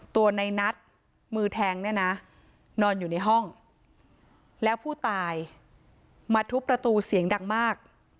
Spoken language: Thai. ตัวในนัทมือแทงเนี่ยนะนอนอยู่ในห้องแล้วผู้ตายมาทุบประตูเสียงดังมาก